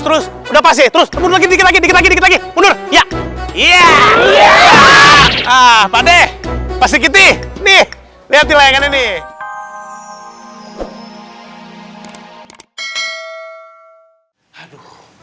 terus ya ya pate pasti ini lihat ini